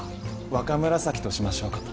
若紫としましょうかと。